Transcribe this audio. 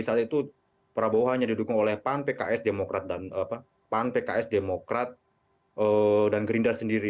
saat itu prabowo hanya didukung oleh pantek ks demokrat dan gerindra sendiri